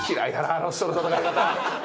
あの人の戦い方。